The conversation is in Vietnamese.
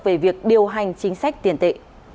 về việc điều hành chính sách tiền tệ